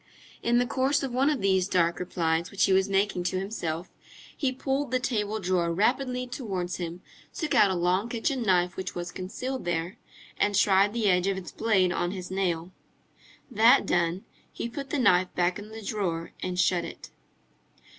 In the course of one of these dark replies which he was making to himself, he pulled the table drawer rapidly towards him, took out a long kitchen knife which was concealed there, and tried the edge of its blade on his nail. That done, he put the knife back in the drawer and shut it.